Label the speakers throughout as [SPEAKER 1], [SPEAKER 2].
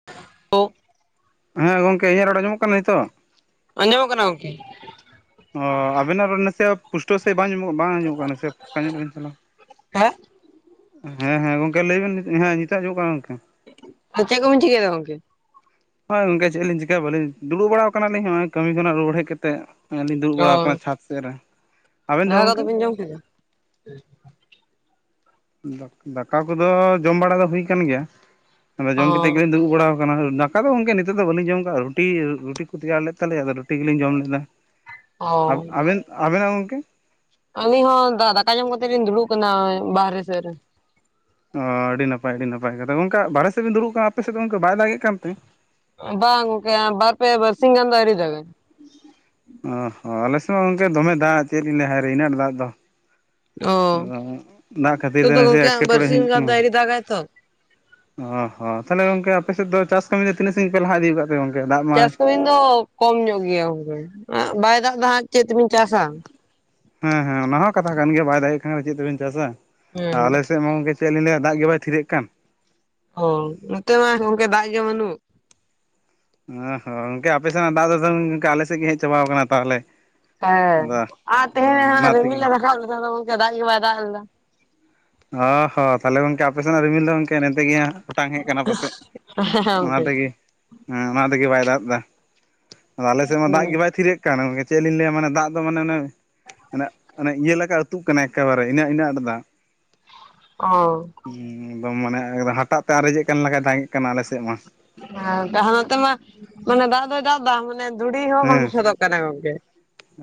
[SPEAKER 1] [unintelligible]
[SPEAKER 2] ᱦᱮᱸ ᱜᱚᱝᱠᱮ ᱤᱧᱟᱹᱜ ᱨᱚᱲ ᱟᱸᱡᱚᱢᱚᱜ ᱠᱟᱱᱟ ᱱᱤᱛᱚᱜ
[SPEAKER 1] ᱟᱸᱡᱚᱢᱚᱜ ᱠᱟᱱᱟ ᱜᱚᱢᱠᱮ
[SPEAKER 2] ᱚ ᱟᱵᱤᱱᱟᱜ ᱨᱚᱲ ᱱᱟᱥᱮᱭᱟᱜ ᱯᱩᱥᱴᱟᱹᱣ ᱥᱟᱦᱤᱡ ᱵᱟᱝ ᱧᱚᱜ ᱵᱟᱝ ᱟᱸᱢᱚᱮᱢᱜ ᱠᱟᱱᱟ ᱱᱟᱥᱮ ᱯᱷᱟᱸᱠᱟ ᱧᱚᱜᱚᱵᱤᱱ ᱪᱟᱞᱟᱜᱼᱟ
[SPEAKER 1] ᱦᱮᱸ
[SPEAKER 2] ᱦᱮᱸ ᱦᱮᱸ ᱜᱚᱝᱠᱮ ᱞᱟᱹᱭᱵᱮᱱ ᱦᱮᱸ ᱱᱤᱛᱟᱜ ᱟᱸᱡᱚᱢᱚᱜ ᱠᱟᱱᱟ ᱜᱚᱝᱠᱮ᱾
[SPEAKER 1] ᱪᱮᱫ ᱠᱚᱵᱤᱱ ᱪᱤᱠᱟᱹᱭ ᱫᱟ ᱜᱟᱢᱠᱮ?
[SPEAKER 2] ᱦᱳᱭ ᱜᱚᱝᱠᱮ ᱪᱮᱫᱞᱤᱧ ᱪᱤᱠᱟᱹᱭᱟᱹᱞᱤᱧ ᱫᱩᱲᱩᱵᱟᱲᱟᱣ ᱠᱟᱱᱟᱞᱤᱧ ᱱᱚᱜᱼᱚᱭ ᱠᱟᱹᱢᱤ ᱠᱷᱚᱱᱟᱜ ᱨᱩᱣᱟᱹᱲ ᱦᱮᱡ ᱠᱟᱛᱮᱫ ᱞᱤᱧ ᱫᱩᱲᱩᱵ ᱵᱟᱲᱟᱣ
[SPEAKER 1] ᱚ
[SPEAKER 2] ᱠᱟᱱᱟ ᱪᱷᱟᱸᱫᱽ ᱥᱮᱫ ᱨᱮ ᱟᱵᱮᱱ ᱫᱚ
[SPEAKER 1] ᱫᱟᱠᱟ
[SPEAKER 2] ᱜᱚᱝᱠᱮ
[SPEAKER 1] ᱠᱚᱫᱚᱵᱤᱱ ᱡᱚᱢ ᱠᱮᱫᱟᱢ
[SPEAKER 2] ᱫᱟᱠᱟ ᱠᱚᱫᱚ ᱡᱚᱢ ᱵᱟᱲᱟ ᱫᱚ ᱦᱩᱭ ᱠᱟᱱ ᱜᱮᱭᱟ ᱟᱫᱚ ᱡᱚᱢ ᱠᱟᱛᱮᱫ
[SPEAKER 1] ᱚ
[SPEAKER 2] ᱜᱮᱞᱤᱧ ᱫᱩᱲᱩᱵ ᱵᱟᱲᱟᱣ ᱫᱟᱠᱟ ᱫᱚ ᱜᱚᱢᱠᱮ ᱱᱤᱛᱚᱜ ᱫᱚ ᱵᱟᱹᱞᱤᱧ ᱡᱚᱢ ᱠᱟᱜᱼᱟ ᱨᱩᱴᱤ ᱨᱩᱴᱤ ᱠᱚ ᱛᱮᱭᱟᱨ ᱞᱮᱫ ᱛᱟᱞᱮᱭᱟ ᱟᱫᱚ ᱨᱩᱴᱤ ᱜᱮᱞᱤᱧ ᱡᱚᱢ ᱞᱮᱫᱟ
[SPEAKER 1] ᱚ
[SPEAKER 2] ᱟᱵᱮᱱ ᱟᱵᱮᱱᱟᱜ ᱜᱚᱢᱠᱮ
[SPEAKER 1] ᱟᱹᱞᱤᱧ ᱦᱚᱸ ᱫᱟᱠᱟ ᱡᱚᱢ ᱠᱟᱛᱮᱫ ᱞᱤᱧ ᱫᱩᱲᱩᱵ ᱠᱟᱱᱟ ᱵᱟᱦᱟᱨᱮ ᱥᱮᱫ ᱨᱮ
[SPEAKER 2] ᱚ ᱟᱹᱰᱤ ᱱᱟᱯᱟᱭ ᱟᱹᱰᱤ ᱱᱟᱯᱟᱭ ᱜᱚᱢᱠᱮ ᱵᱟᱨᱦᱮ ᱥᱮᱫ ᱵᱤᱱ ᱫᱩᱲᱩᱵ ᱠᱟᱱᱟ ᱟᱯᱮ ᱥᱮᱫ ᱫᱚ ᱚᱱᱠᱟ ᱵᱟᱭ ᱫᱟᱜᱮᱜ ᱠᱟᱱᱛᱮ
[SPEAKER 1] ᱵᱟᱝ ᱜᱚᱝᱠᱮ ᱵᱟᱨᱯᱮ ᱵᱟᱨᱥᱤᱝ ᱜᱟᱱ ᱫᱚ ᱟᱹᱣᱨᱤ ᱫᱟᱜ ᱜᱟᱭ
[SPEAKER 2] ᱚ ᱦᱚᱸ ᱟᱞᱮᱥᱮᱫ ᱢᱟ ᱜᱚᱢᱠᱮ ᱫᱚᱢᱮ ᱫᱟᱜ ᱪᱮᱫ ᱞᱤᱧ ᱞᱟᱭᱟ ᱦᱟᱭᱨᱮ ᱤᱱᱟᱹᱜ ᱫᱟᱜ ᱫᱚ
[SPEAKER 1] ᱚ
[SPEAKER 2] ᱟᱫᱚ ᱫᱟᱜ ᱠᱷᱟᱹᱛᱤᱨ
[SPEAKER 1] ᱱᱤᱛᱚᱜ
[SPEAKER 2] ᱛᱮ
[SPEAKER 1] ᱫᱚ
[SPEAKER 2] ᱱᱟᱥᱮ
[SPEAKER 1] ᱜᱚᱝᱠᱮ ᱦᱟᱸᱜ
[SPEAKER 2] ᱮᱸᱴᱠᱮᱴᱚᱬᱮ ᱦᱩᱭᱩᱜ
[SPEAKER 1] ᱵᱟᱨᱥᱤᱧ ᱜᱟᱱ
[SPEAKER 2] ᱠᱟᱱᱟ
[SPEAKER 1] ᱫᱚ ᱟᱹᱣᱨᱤ ᱫᱟᱜᱟᱭ ᱛᱚ᱾
[SPEAKER 2] ᱚ ᱦᱚᱸ ᱛᱟᱦᱚᱞᱮ ᱜᱚᱝᱠᱮ ᱟᱯᱮᱥᱮᱫ ᱫᱚ ᱪᱟᱥ ᱠᱟᱹᱢᱤ ᱫᱚ ᱛᱤᱱᱟᱹᱜ ᱥᱟᱹᱜᱤᱧ ᱯᱮ ᱞᱟᱦᱟ ᱤᱫᱤᱠᱟᱜᱫᱟ ᱜᱚᱝᱠᱮ ᱫᱟᱜ ᱢᱟ
[SPEAKER 1] ᱪᱟᱥ ᱠᱚᱵᱤᱱ ᱫᱚ, ᱠᱚᱢ ᱧᱚᱜ ᱜᱮᱭᱟ ᱜᱚᱝᱠᱮ ᱦᱮ ᱵᱟᱭ ᱫᱟᱜ ᱮ ᱦᱟᱸᱜ ᱪᱮᱫ ᱛᱮᱵᱤᱱ ᱪᱟᱥᱟ᱾
[SPEAKER 2] ᱦᱮᱸ ᱦᱮᱸ ᱚᱱᱟ ᱦᱚᱸ ᱠᱟᱛᱷᱟ ᱠᱟᱱ ᱜᱮᱭᱟ ᱵᱟᱭ ᱫᱟᱲᱮᱭᱟᱜ ᱠᱷᱟᱱ ᱫᱚ ᱪᱮᱫ ᱛᱮᱵᱮᱱ ᱪᱟᱥᱟ
[SPEAKER 1] ᱦᱮᱸ
[SPEAKER 2] ᱟᱞᱮ ᱥᱮᱫ ᱢᱟ ᱜᱚᱝᱠᱮ ᱪᱮᱫᱤᱧᱟᱹᱭᱟ ᱫᱟᱜᱮ ᱵᱟᱭ ᱛᱷᱤᱨᱮᱜ ᱠᱟᱱ᱾
[SPEAKER 1] ᱚ ᱱᱚᱛᱮ ᱢᱟ ᱜᱚᱝᱠᱮ ᱫᱟᱜ ᱜᱮ ᱵᱟᱹᱱᱩᱜ᱾
[SPEAKER 2] ᱚ ᱦᱚᱸ ᱜᱚᱝᱠᱮ ᱟᱯᱮ ᱥᱮᱱᱟᱜ ᱫᱟᱜ ᱫᱟᱥ ᱜᱠᱮ ᱟᱞᱮ ᱥᱮᱫ ᱜᱮ ᱦᱮᱡ ᱪᱟᱵᱟ ᱟᱠᱟᱱᱟ ᱛᱟᱦᱚᱞᱮ᱾
[SPEAKER 1] ᱦᱮ
[SPEAKER 2] ᱟᱫᱚ
[SPEAKER 1] ᱟᱨ ᱛᱮᱦᱮᱧ
[SPEAKER 2] ᱦᱩᱸ ᱚᱱᱟ
[SPEAKER 1] ᱦᱟᱸᱜ
[SPEAKER 2] ᱛᱮᱜᱮ
[SPEAKER 1] ᱨᱤᱢᱤᱞᱮ ᱨᱟᱠᱟᱜ ᱞᱮᱫᱟ ᱟᱫᱚᱝᱠᱮ ᱫᱟᱜ ᱜᱮ ᱵᱟᱭ ᱫᱟᱜ ᱞᱮᱫᱟ᱾
[SPEAKER 2] ᱚ ᱦᱚᱸ ᱛᱟᱦᱚᱞᱮ ᱜᱚᱝᱠᱮ ᱟᱯᱮ ᱥᱮᱱᱟᱜ ᱨᱤᱢᱤᱞ ᱫᱚ ᱜᱚᱝᱠᱮ ᱱᱛᱮᱜ ᱜᱮ ᱦᱟᱸᱜ ᱚᱴᱟᱝ ᱦᱮᱜ ᱠᱟᱱᱟ ᱯᱟᱥᱮᱜ
[SPEAKER 1] ᱦᱮᱸ
[SPEAKER 2] ᱚᱱᱟ
[SPEAKER 1] ᱜᱚᱝᱠᱮ
[SPEAKER 2] ᱛᱮᱜᱮ ᱦᱮᱸ ᱚᱱᱟ ᱛᱮᱜᱮ ᱵᱟᱭ ᱫᱟᱜ ᱮᱫᱟ ᱟᱫᱚ ᱟᱞᱮᱥᱮᱫ ᱢᱟ ᱫᱟᱜ
[SPEAKER 1] ᱦᱩᱸ
[SPEAKER 2] ᱜᱮ ᱵᱟᱭ ᱛᱷᱤᱨᱮᱜ ᱠᱟᱱᱟ ᱜᱚᱝᱠᱮ ᱪᱮᱫ ᱞᱤᱧ ᱞᱟᱹᱭᱟ ᱢᱟᱱᱮ ᱫᱟᱜ ᱫᱚ ᱢᱟᱱᱮ ᱚᱱᱮ ᱢᱟᱱᱮ ᱚᱱᱮ ᱤᱭᱟᱹ ᱞᱮᱠᱟ ᱟᱹᱛᱩᱜ ᱠᱟᱱᱟ ᱮᱠᱮᱵᱟᱨᱮ ᱤᱱᱟᱹ ᱤᱱᱟᱹ ᱟᱸᱴ ᱫᱟᱜ᱾
[SPEAKER 1] ᱚ
[SPEAKER 2] ᱩᱸ ᱮᱠᱫᱚᱢ ᱢᱟᱱᱮ ᱮᱠᱫᱚᱢ ᱦᱟᱴᱟᱜ ᱛᱮ ᱟᱨᱮᱡᱮᱫ ᱠᱟᱱ ᱞᱮᱠᱷᱟᱡ ᱫᱟᱸᱜ ᱠᱟᱱᱟ ᱟᱞᱮ ᱥᱮᱫ ᱢᱟ᱾
[SPEAKER 1] [unintelligible] ᱱᱚᱛᱮ ᱢᱟ ᱢᱟᱱᱮ ᱫᱟᱜ ᱫᱚᱭ ᱫᱟᱜ ᱮᱫᱟ ᱢᱟᱱᱮ ᱫᱷᱩᱲᱤ ᱦᱚᱸ ᱵᱟᱝ ᱥᱚᱫᱚᱜ ᱠᱟᱱᱟ ᱜᱚᱝᱠᱮ᱾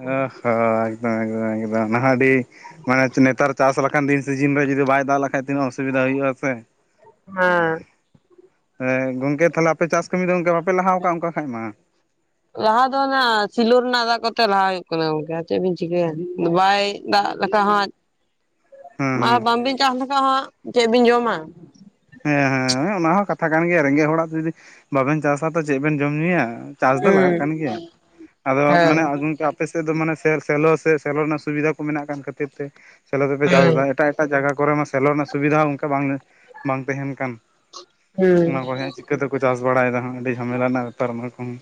[SPEAKER 2] ᱚ ᱦᱚᱸ ᱮᱠᱫᱚᱢ ᱮᱠᱫᱚᱢ ᱮᱠᱫᱚᱢ ᱱᱟᱦᱟᱜ ᱟᱹᱰᱤ ᱢᱟᱱᱮ ᱱᱮᱛᱟᱨ ᱪᱟᱥ ᱞᱮᱠᱟᱱ ᱫᱤᱱ ᱥᱤᱡᱤᱱ ᱨᱮ ᱡᱩᱫᱤ ᱵᱟᱭ ᱫᱟᱜ ᱞᱮᱠᱷᱟᱱ ᱛᱤᱱᱟᱹᱜ ᱚᱥᱩᱵᱤᱫᱟ ᱦᱩᱭᱩᱜᱼᱟ ᱥᱮ᱾
[SPEAKER 1] ᱦᱮᱸ
[SPEAKER 2] ᱦᱮᱸ ᱜᱚᱝᱠᱮ ᱛᱟᱦᱚᱞᱮ ᱟᱯᱮ ᱪᱟᱥ ᱠᱟᱹᱢᱤ ᱫᱚᱠ ᱵᱟᱯᱮ ᱞᱟᱦᱟ ᱠᱟᱜ ᱚᱱᱠᱟ ᱠᱷᱟᱡ ᱢᱟ?
[SPEAKER 1] ᱞᱟᱦᱟ ᱫᱚ ᱚᱱᱟ ᱥᱤᱞᱳ ᱨᱮᱱᱟᱜ ᱫᱟᱜ ᱠᱚᱛᱮ ᱞᱟᱦᱟ ᱦᱩᱭᱩᱜ ᱠᱟᱱᱟ ᱜᱚᱝᱠᱮ ᱪᱮᱫ ᱵᱮᱱ ᱪᱤᱠᱟᱹᱭᱟ ᱵᱟᱭ ᱫᱟᱜ ᱞᱮᱠᱟ ᱦᱚᱡ
[SPEAKER 2] ᱦᱮᱸ
[SPEAKER 1] ᱟᱨ ᱵᱟᱝᱵᱤᱱ ᱪᱟᱥ ᱞᱮᱠᱷᱟ ᱦᱟᱜ ᱪᱮᱫ ᱵᱤᱱ ᱡᱚᱢᱟ᱾
[SPEAKER 2] ᱦᱮᱸ ᱦᱮᱸ ᱚᱱᱟ ᱦᱚᱸ ᱠᱟᱛᱷᱟ ᱠᱟᱱ ᱜᱮᱭᱟ ᱨᱮᱸᱜᱮᱡ ᱦᱚᱲᱟᱜ ᱡᱩᱫᱤ ᱵᱟᱵᱮᱱ ᱪᱟᱥᱟ ᱛᱚ ᱪᱮᱫ ᱵᱮᱱ ᱡᱚᱢ ᱧᱩᱭᱟ᱾ ᱪᱟᱥ ᱫᱚ
[SPEAKER 1] ᱦᱩᱸ
[SPEAKER 2] ᱞᱟᱜᱟᱜ ᱠᱟᱱ ᱜᱮᱭᱟ᱾ ᱟᱫᱚ ᱢᱟᱱᱮ
[SPEAKER 1] ᱦᱮᱸ
[SPEAKER 2] ᱚᱢᱠᱮ ᱟᱯᱮ ᱥᱮᱫ ᱫᱚ ᱢᱟᱱᱮ ᱥᱮᱞᱚ ᱥᱮ ᱥᱮᱞᱚ ᱨᱮᱱᱟᱜ ᱥᱩᱵᱤᱫᱷᱟ ᱠᱚ ᱢᱮᱱᱟᱜ ᱠᱟᱱ ᱠᱷᱟᱹᱛᱤᱨ ᱛᱮ ᱥᱮᱞᱚ ᱛᱮᱯᱮ
[SPEAKER 1] ᱦᱮᱸ
[SPEAKER 2] ᱪᱟᱥᱫᱟ ᱮᱴᱟᱜ ᱮᱴᱟᱜ ᱡᱟᱭᱜᱟ ᱠᱚᱨᱮ ᱢᱟ ᱥᱮᱞᱚᱜ ᱨᱮᱱᱟᱜ ᱥᱩᱵᱤᱫᱷᱟ ᱚᱱᱠᱟ ᱵᱟᱝ ᱵᱟᱝ ᱛᱟᱦᱮᱱ ᱠᱟᱱ᱾
[SPEAKER 1] ᱦᱩᱸ
[SPEAKER 2] ᱚᱱᱟ ᱠᱚ ᱜᱮ ᱪᱤᱠᱟᱹᱛᱮᱠᱚ ᱪᱟᱥ ᱵᱟᱲᱟᱭᱫᱟ ᱦᱟᱸᱜ ᱟᱹᱰᱤ ᱡᱷᱟᱢᱮᱞᱟ ᱨᱮᱱᱟᱜ ᱵᱮᱯᱟᱨ ᱚᱱᱟ ᱠᱚᱦᱚᱸ